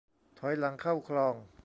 ถอยหลังเข้าคลอง